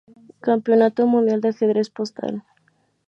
Campeonato mundial de ajedrez postal.